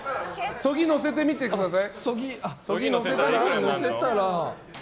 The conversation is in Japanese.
そぎ、のせてみてください。